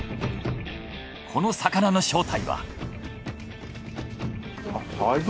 この魚の正体は。